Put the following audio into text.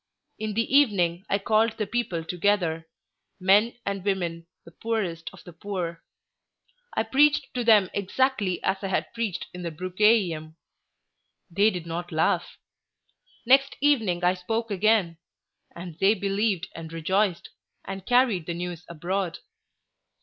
In the evening I called the people together, men and women, the poorest of the poor. I preached to them exactly as I had preached in the Brucheium. They did not laugh. Next evening I spoke again, and they believed and rejoiced, and carried the news abroad.